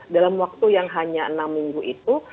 dalam waktu yang hanya enam minggu itu